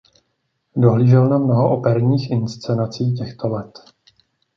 Dohlížel na mnoho operních inscenací těchto let.